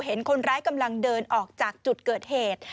เห็นคนร้ายกำลังเดินออกจากจุดเกิดเหตุ